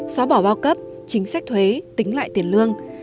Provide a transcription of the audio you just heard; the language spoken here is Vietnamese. xóa bỏ bao cấp chính sách thuế tính lại tiền lương